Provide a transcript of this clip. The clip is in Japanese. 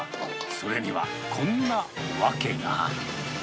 それにはこんな訳が。